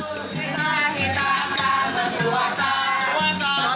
kita akan berpuasa berpuasa berpuasa bersama sama